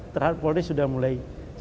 terhadap polisi sudah mulai berkembang